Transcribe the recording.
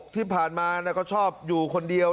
ที่ผ่านมาก็ชอบอยู่คนเดียว